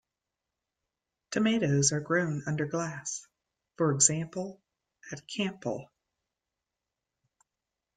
Tomatoes are grown under glass, for example at Campile.